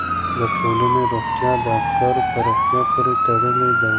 د ټولنې روغتیا د افکارو په روغتیا پورې تړلې ده.